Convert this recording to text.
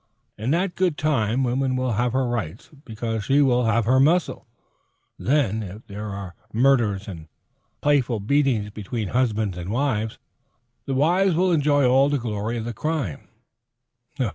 In that good time, woman will have her rights because she will have her muscle. Then, if there are murders and playful beatings between husbands and wives, the wives will enjoy all the glory of crime.